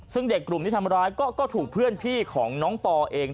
ซึ่งเด็กกลุ่มที่ทำร้ายก็ถูกเพื่อนพี่ของน้องปอเอง